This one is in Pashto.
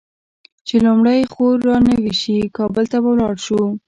چې لومړۍ خور رانوې شي؛ کابل ته به ولاړ شو.